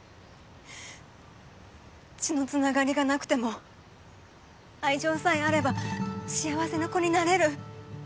血の繋がりがなくても愛情さえあれば幸せな子になれる。